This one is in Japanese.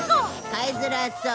飼いづらそう。